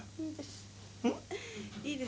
「いいです」